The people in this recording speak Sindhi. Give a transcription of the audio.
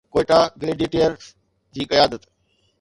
ڪوئيٽا گليڊيئيٽرز جي قيادت